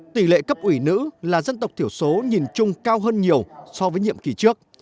tỷ lệ cấp ủy nữ là dân tộc thiểu số nhìn chung cao hơn nhiều so với nhiệm kỳ trước